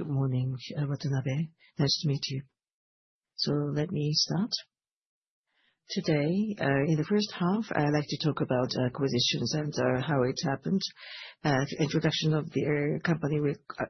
Good morning, Watanabe. Nice to meet you. Let me start. Today, in the first half, I'd like to talk about acquisitions and how it happened. The introduction of the company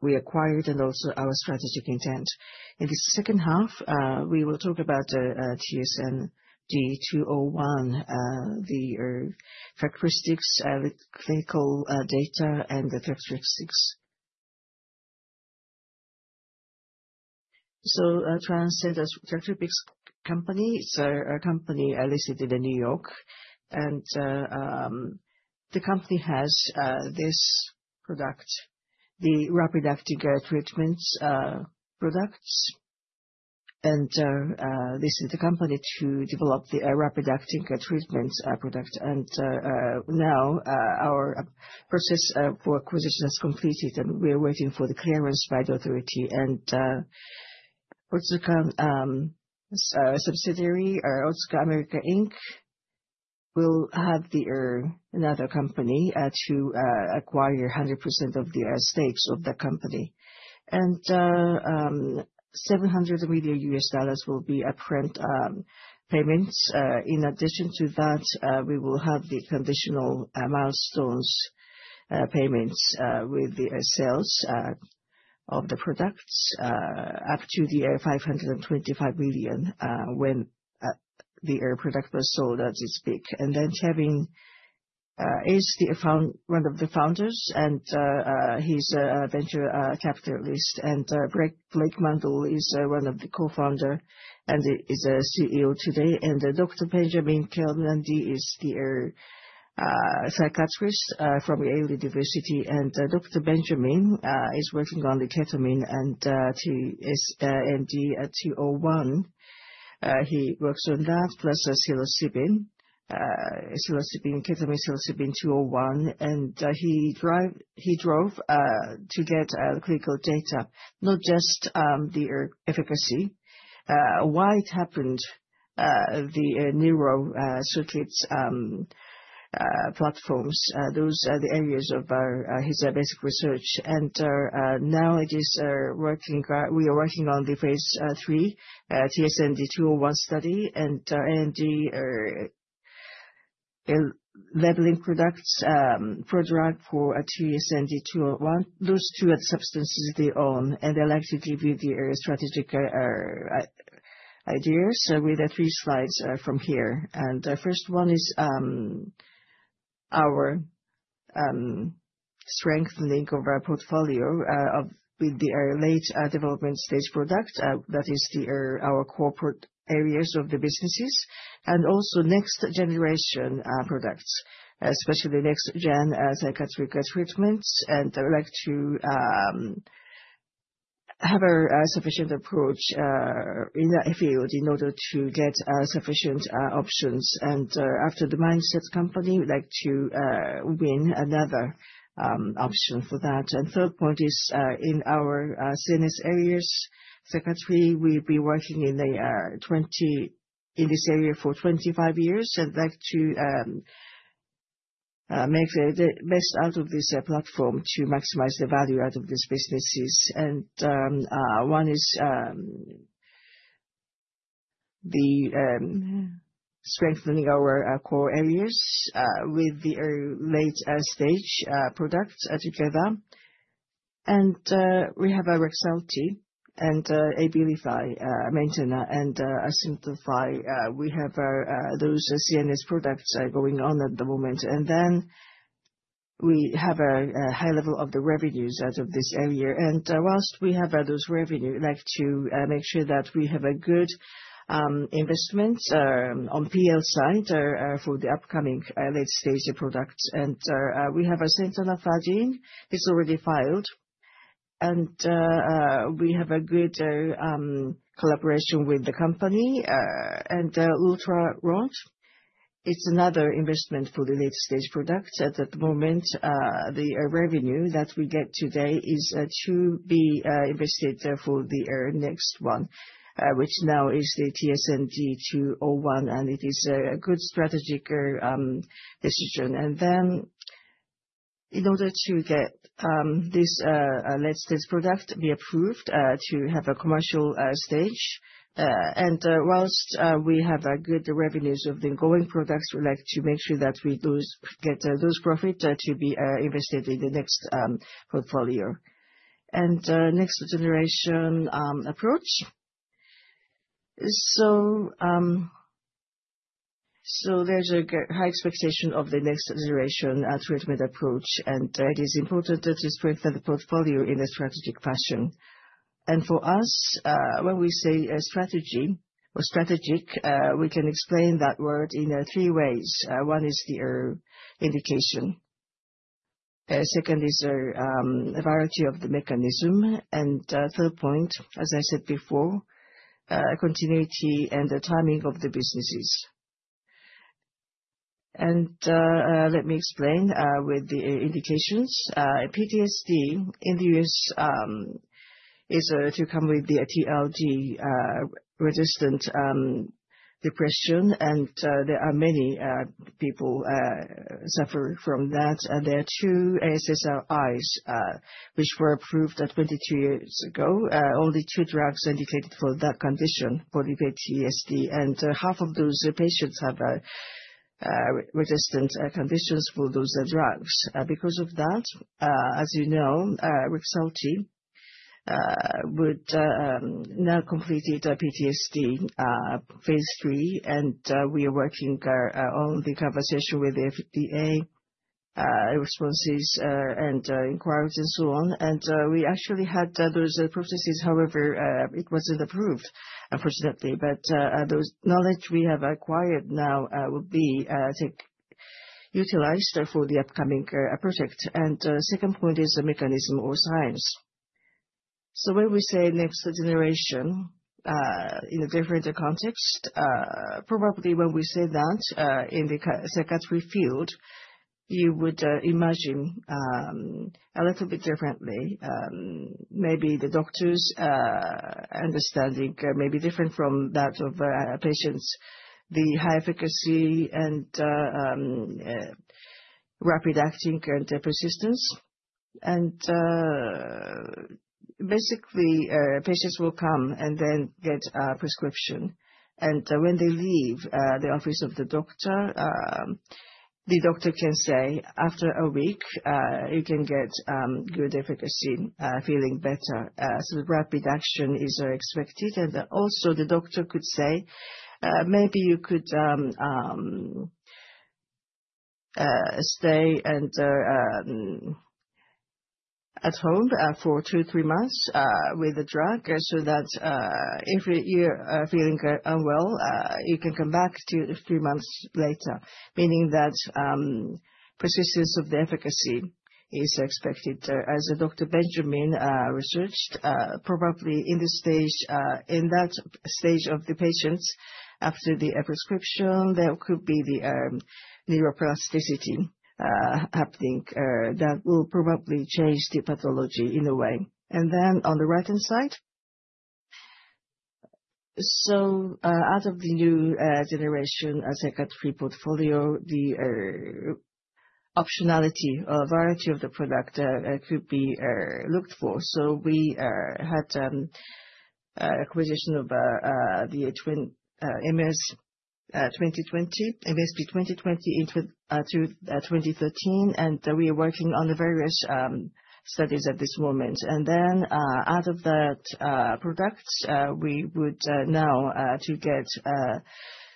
we acquired, also our strategic intent. In the second half, we will talk about TSND-201, the characteristics, the clinical data, and the characteristics. Transcend Therapeutics is a therapeutics company. It's a company listed in New York, and the company has this product, the rapid acting treatments products. This is the company to develop the rapid acting treatment product. Now, our process for acquisition is completed, and we are waiting for the clearance by the authority. Otsuka subsidiary, Otsuka America, Inc., will have another company to acquire 100% of the stakes of the company. $700 million US will be upfront payments. In addition to that, we will have the conditional milestones payments with the sales of the products up to $525 million when the product was sold at this peak. Kevin is one of the founders, and he's a venture capitalist. Blake Mandell is one of the co-founder and is a CEO today. Dr. Benjamin Kelmendi is the psychiatrist from Yale University. Dr. Benjamin is working on ketamine, and he is MD at TSND-201. He works on that plus psilocybin. Ketamine, psilocybin, TSND-201. He drove to get clinical data, not just the efficacy. Why it happened, the neural circuits platforms, those are the areas of his basic research. Now we are working on the phase III TSND-201 study and NDA labeling products, prodrug for TSND-201. Those two are substances they own, and I'd like to give you the strategic ideas with a few slides from here. The first one is our strengthening of our portfolio with the late development stage product. That is our corporate areas of the businesses. Also next generation products, especially next-gen psychiatric treatments. I would like to have a sufficient approach in that field in order to get sufficient options. After the Mindset company, we'd like to win another option for that. Third point is, in our CNS areas, psychiatry, we've been working in this area for 25 years and like to make the best out of this platform to maximize the value out of these businesses. One is the strengthening our core areas with the late-stage products together. We have REXULTI and ABILIFY MAINTENA and SYMBYAX. We have those CNS products going on at the moment. We have a high level of the revenues out of this area. Whilst we have those revenue, we like to make sure that we have a good investment on P&L side for the upcoming late-stage products. We have centanafadine. It's already filed. We have a good collaboration with the company. Ulotaront, it's another investment for the late-stage product. At the moment, the revenue that we get today is to be invested for the next one, which now is the TSND-201, and it is a good strategic decision. In order to get this latest product be approved to have a commercial stage. Whilst we have good revenues of the ongoing products, we like to make sure that we get those profit to be invested in the next portfolio. Next generation approach. There's a high expectation of the next generation treatment approach. It is important that we strengthen the portfolio in a strategic fashion. For us, when we say strategy or strategic, we can explain that word in three ways. One is the indication. Second is a variety of the mechanism. Third point, as I said before, continuity and the timing of the businesses. Okay. Let me explain with the indications. PTSD in the U.S. is to come with the treatment-resistant depression, and there are many people suffering from that. There are two SSRIs, which were approved 22 years ago, only two drugs indicated for that condition, for the PTSD. Half of those patients have resistant conditions for those drugs. Because of that, as you know, REXULTI would Now completed PTSD phase III, and we are working on the conversation with the FDA responses and inquiries and so on. We actually had those processes. However, it wasn't approved, unfortunately. Those knowledge we have acquired now will be, I think, utilized for the upcoming project. Second point is the mechanism or science. When we say next generation, in a different context, probably when we say that in the psychiatry field, you would imagine a little bit differently. Maybe the doctor's understanding may be different from that of a patient's. The high efficacy and rapid acting persistence. Basically, patients will come and then get a prescription. When they leave the office of the doctor, the doctor can say, "After a week, you can get good efficacy, feeling better." The rapid action is expected. Also, the doctor could say, "Maybe you could stay at home for two, three months with the drug, so that if you're feeling unwell, you can come back two, three months later." Meaning that persistence of the efficacy is expected. As Dr. Benjamin researched, probably in that stage of the patients, after the prescription, there could be the neuroplasticity happening, that will probably change the pathology in a way. Then on the right-hand side. Out of the new generation, a psychiatry portfolio, the optionality or variety of the product could be looked for. We had acquisition of the MSP-2020, MSP-2020 to 2013, and we are working on the various studies at this moment. Out of that product, we would now to get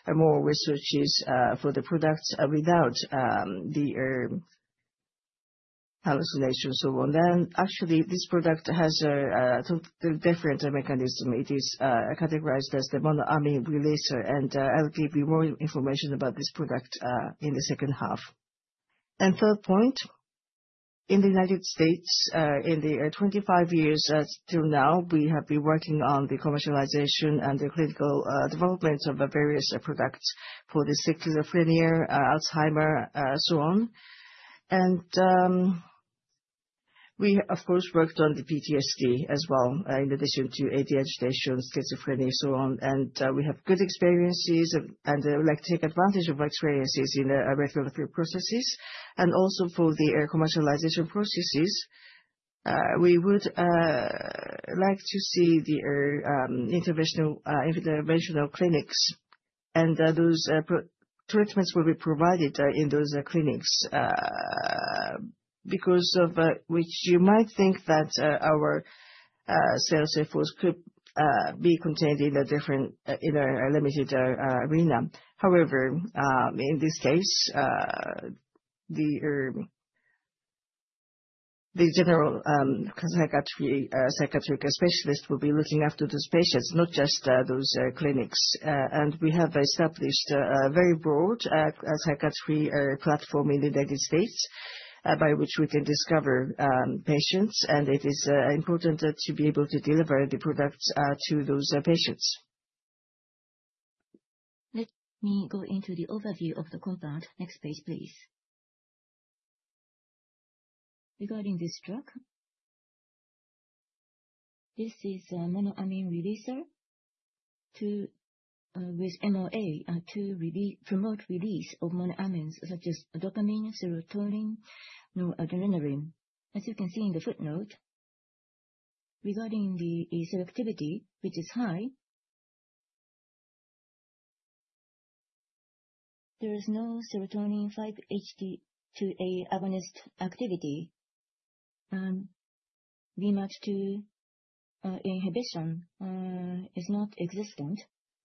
more researches for the product without the hallucination and so on. Actually, this product has a different mechanism. It is categorized as the monoamine releaser, I'll give you more information about this product in the second half. Third point, in the U.S., in the 25 years till now, we have been working on the commercialization and the clinical development of various products for the schizophrenia, Alzheimer, so on. We, of course, worked on the PTSD as well, in addition to ADHD, schizophrenia, so on. We have good experiences, like to take advantage of experiences in regulatory processes. Also for the commercialization processes, we would like to see the interventional clinics and those treatments will be provided in those clinics. Because of which you might think that our sales force could be contained in a limited arena. However, in this case, the general psychiatric specialists will be looking after those patients, not just those clinics. We have established a very broad psychiatry platform in the U.S., by which we can discover patients, and it is important to be able to deliver the products to those patients. Let me go into the overview of the QUBERT. Next page, please. Regarding this drug, this is a monoamine releaser with MOA to promote release of monoamines such as dopamine, serotonin, noradrenaline. As you can see in the footnote, regarding the selectivity, which is high, there is no serotonin 5-HT2A agonist activity. VMAT2 inhibition is not existent,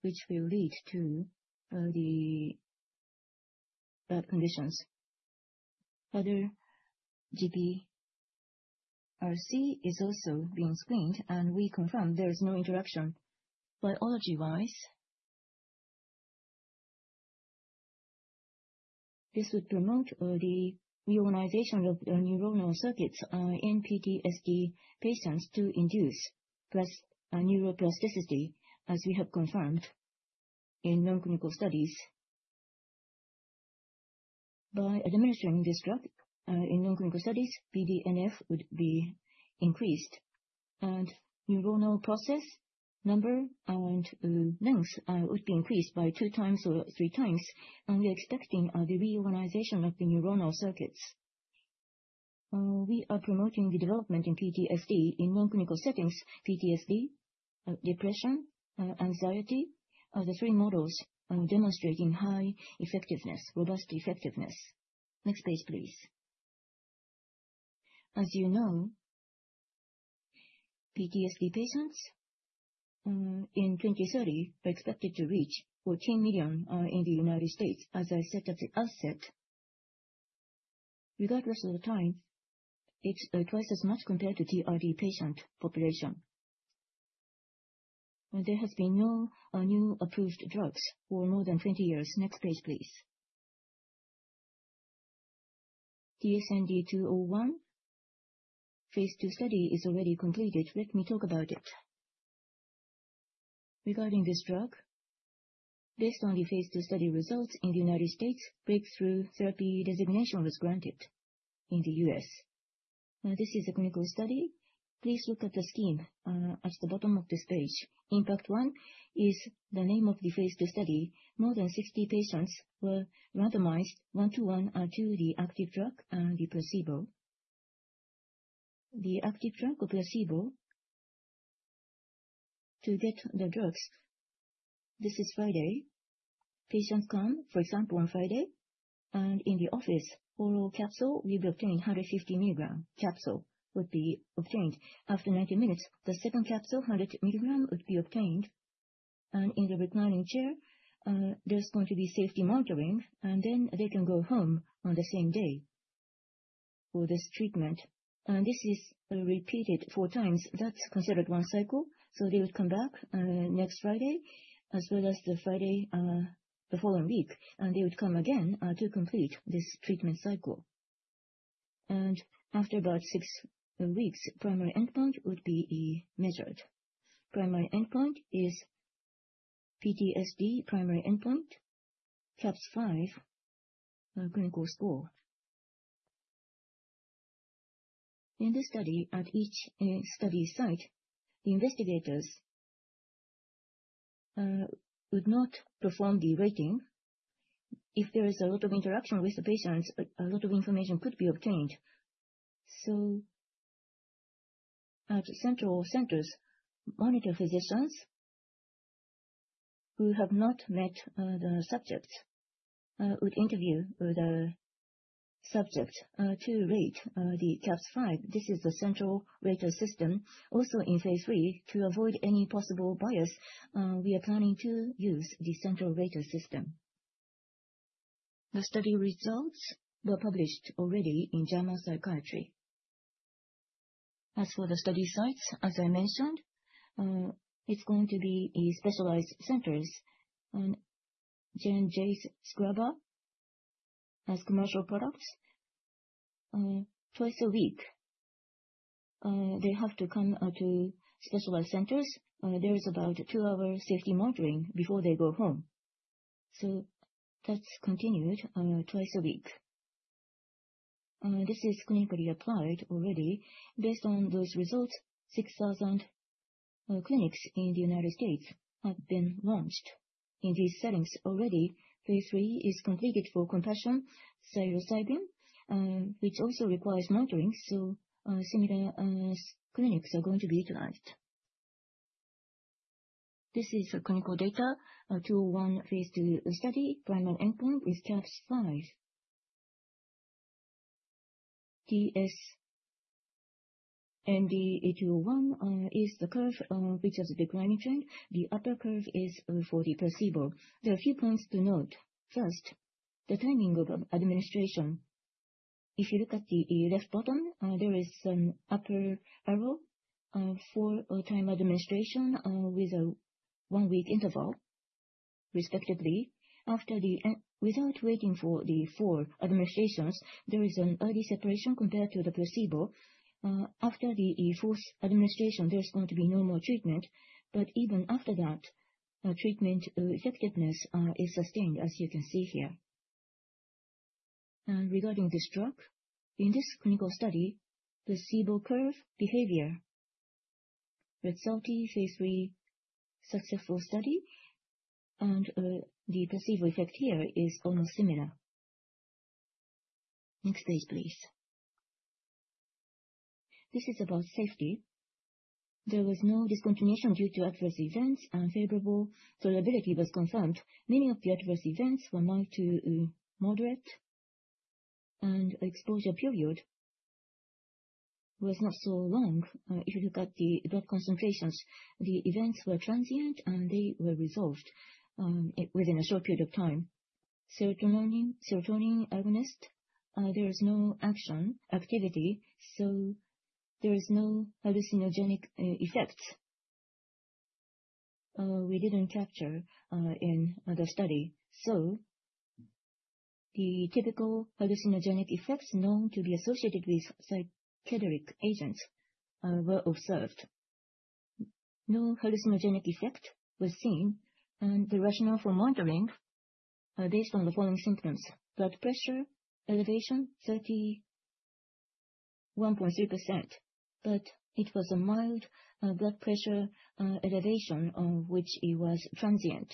which will lead to the conditions. Other GPCR is also being screened, and we confirm there is no interaction. Biology-wise, this would promote the reorganization of the neuronal circuits in PTSD patients to induce neuroplasticity, as we have confirmed in non-clinical studies. By administering this drug in non-clinical studies, BDNF would be increased, and neuronal process number and length would be increased by two times or three times, and we are expecting the reorganization of the neuronal circuits. We are promoting the development in PTSD in non-clinical settings, PTSD, depression, anxiety, are the three models demonstrating high effectiveness, robust effectiveness. Next page, please. As you know, PTSD patients in 2030 are expected to reach 14 million in the U.S., as I said at the outset. Regardless of the time, it's twice as much compared to TRD patient population. There has been no new approved drugs for more than 20 years. Next page, please. TSND-201, phase II study is already completed. Let me talk about it. Regarding this drug, based on the phase II study results in the U.S., breakthrough therapy designation was granted in the U.S. This is a clinical study. Please look at the scheme at the bottom of this page. IMPACT-1 is the name of the phase II study. More than 60 patients were randomized 1 to 1 to the active drug and the placebo. The active drug or placebo, to get the drugs, this is Friday. Patients come, for example, on Friday, and in the office, oral capsule will be obtained, 150 milligram capsule would be obtained. After 90 minutes, the second capsule, 100 milligram, would be obtained. In the reclining chair, there's going to be safety monitoring, and then they can go home on the same day for this treatment. This is repeated four times. That's considered one cycle. They would come back next Friday as well as the Friday the following week, and they would come again to complete this treatment cycle. After about six weeks, primary endpoint would be measured. Primary endpoint is PTSD. Primary endpoint, CAPS-5, clinical score. In this study, at each study site, the investigators would not perform the rating. If there is a lot of interaction with the patients, a lot of information could be obtained. At central centers, monitor physicians who have not met the subjects would interview the subject to rate the CAPS-5. This is the central rater system. Also in phase III, to avoid any possible bias, we are planning to use the central rater system. The study results were published already in JAMA Psychiatry. As for the study sites, as I mentioned, it's going to be specialized centers on J&J's SPRAVATO as commercial products. Twice a week, they have to come to specialized centers. There is about 2 hours safety monitoring before they go home. That's continued twice a week. This is clinically applied already. Based on those results, 6,000 clinics in the United States have been launched. In these settings already, phase III is completed for COMP360 psilocybin, which also requires monitoring, so similar clinics are going to be utilized. This is clinical data, a two, one, phase II study. Primary endpoint is CAPS-5. TSND-201 is the curve which has a declining trend. The upper curve is for the placebo. There are a few points to note. First, the timing of administration. If you look at the left bottom, there is an upper arrow for time administration with a 1-week interval respectively. Without waiting for the 4 administrations, there is an early separation compared to the placebo. After the 4th administration, there's going to be no more treatment. But even after that, treatment effectiveness is sustained, as you can see here. Regarding this drug, in this clinical study, placebo curve behavior, REXULTI phase III successful study, and the placebo effect here is almost similar. Next page, please. This is about safety. There was no discontinuation due to adverse events, and favorable tolerability was confirmed. Many of the adverse events were mild to moderate, and exposure period was not so long. If you look at the drug concentrations, the events were transient, and they were resolved within a short period of time. Serotonin agonist, there is no action, activity, so there is no hallucinogenic effects. We didn't capture in the study. The typical hallucinogenic effects known to be associated with psychedelic agents were observed. No hallucinogenic effect was seen, and the rationale for monitoring are based on the following symptoms: blood pressure elevation 31.3%, but it was a mild blood pressure elevation of which it was transient.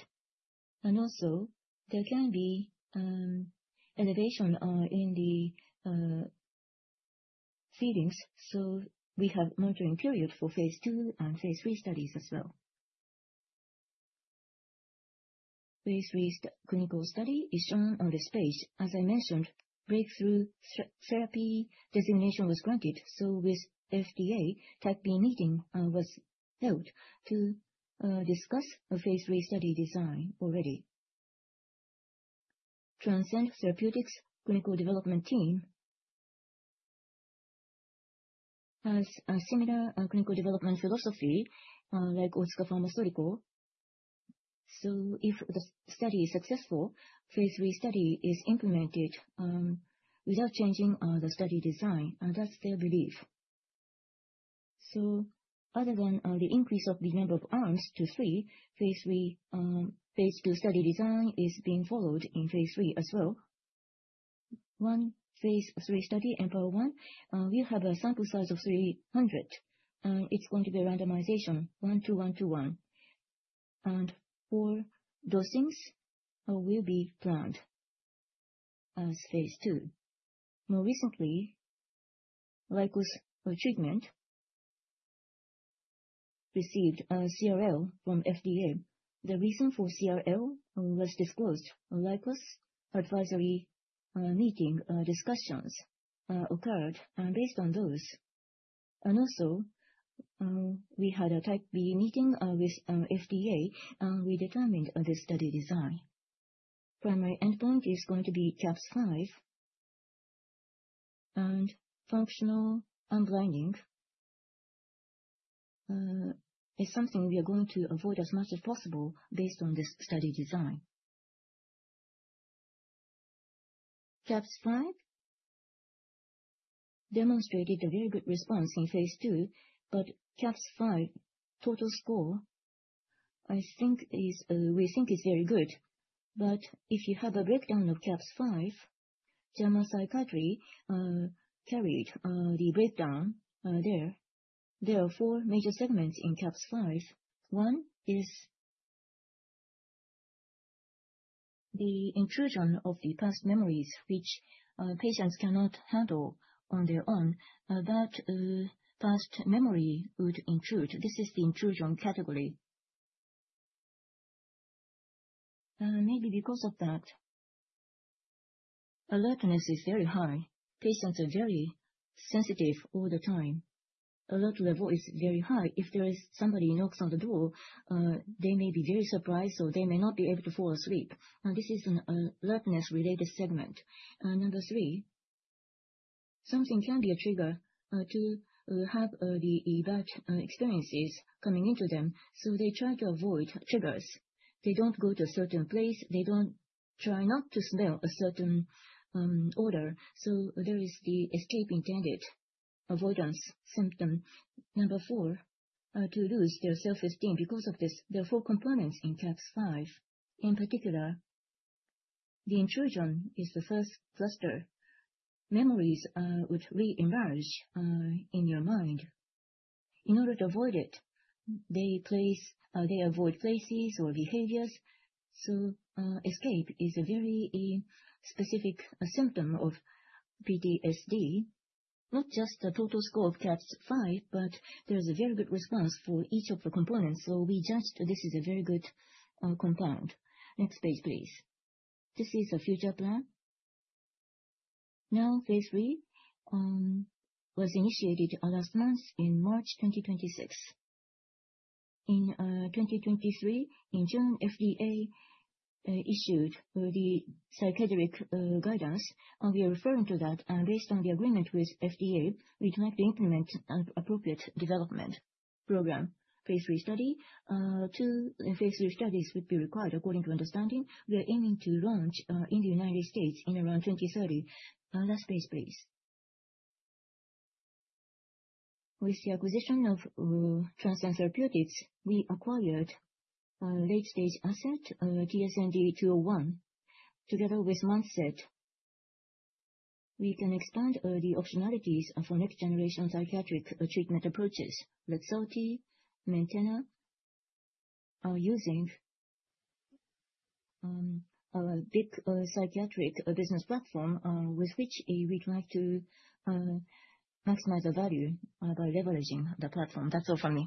Also there can be an elevation in the feelings. So we have monitoring period for phase II and phase III studies as well. Phase III clinical study is shown on this page. As I mentioned, breakthrough therapy designation was granted. With FDA, Type B meeting was held to discuss a phase III study design already. Transcend Therapeutics clinical development team has a similar clinical development philosophy like Otsuka Pharmaceutical. If the study is successful, phase III study is implemented without changing the study design, and that's their belief. Other than the increase of the number of arms to 3, phase II study design is being followed in phase III as well. One phase III study and part 1 will have a sample size of 300, and it's going to be randomization 1-to-1 to 1. 4 dosings will be planned as phase II. More recently, Lykos treatment received a CRL from FDA. The reason for CRL was disclosed. Lykos advisory meeting discussions occurred based on those. Also we had a Type B meeting with FDA, and we determined the study design. Primary endpoint is going to be CAPS-5. Functional unblinding is something we are going to avoid as much as possible based on this study design. CAPS-5 demonstrated a very good response in phase II, but CAPS-5 total score, we think is very good. If you have a breakdown of CAPS-5, JAMA Psychiatry carried the breakdown there. There are four major segments in CAPS-5. One is the intrusion of the past memories which patients cannot handle on their own, that past memory would intrude. This is the intrusion category. Maybe because of that, alertness is very high. Patients are very sensitive all the time. Alert level is very high. If there is somebody knocks on the door they may be very surprised, or they may not be able to fall asleep. This is an alertness-related segment. Number 3, something can be a trigger to have the bad experiences coming into them. They try to avoid triggers. They don't go to a certain place. They try not to smell a certain odor. There is the escape intended avoidance symptom. Number 4, to lose their self-esteem because of this. There are four components in CAPS-5. In particular, the intrusion is the first cluster. Memories would re-emerge in your mind. In order to avoid it, they avoid places or behaviors. Escape is a very specific symptom of PTSD, not just the total score of CAPS-5, but there is a very good response for each of the components. We judged this is a very good compound. Next page, please. This is a future plan. Now, phase III was initiated last month in March 2026. In 2023, in June, FDA issued the psychiatric guidance, and we are referring to that. Based on the agreement with FDA, we'd like to implement an appropriate development program, phase III study. Two phase III studies would be required according to understanding. We are aiming to launch in the U.S. in around 2030. Last page, please. With the acquisition of Transcend Therapeutics, we acquired a late-stage asset, TSND-201. Together with MAZINOD, we can expand the optionalities for next generation psychiatric treatment approaches. REXULTI, ABILIFY MAINTENA are using a big psychiatric business platform with which we'd like to maximize the value by leveraging the platform. That's all from me.